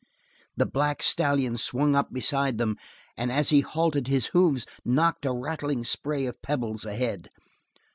The black stallion swung up beside them, and as he halted his hoofs knocked a rattling spray of pebbles ahead.